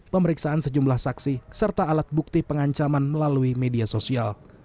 pemeriksaan sejumlah saksi serta alat bukti pengancaman melalui media sosial